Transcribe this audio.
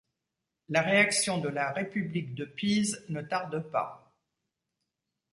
La réaction de la république de Pise ne tarde pas.